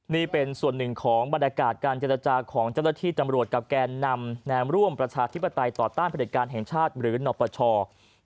นี่เป็นส่วนหนึ่งของบรรยากาศการเจรจาของเจ้าหน้าที่ตำรวจกับแกนนำแนมร่วมประชาธิปไตยต่อต้านผลิตการแห่งชาติหรือนปช